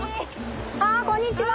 あこんにちは。